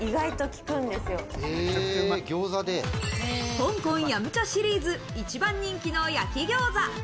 香港飲茶シリーズ、一番人気の焼き餃子。